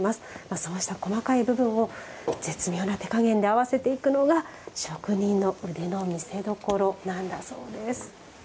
そうした、細かい部分を絶妙な手加減で合わせていくのが職人の腕の見せどころなんだそうです。